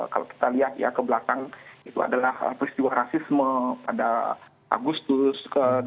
kalau kita lihat ya ke belakang itu adalah peristiwa rasisme pada agustus